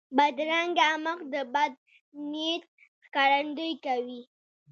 بدرنګه مخ د بد نیت ښکارندویي کوي